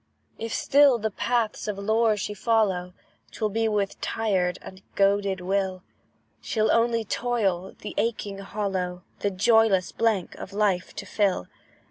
If still the paths of lore she follow, 'Twill be with tired and goaded will; She'll only toil, the aching hollow, The joyless blank of life to fill.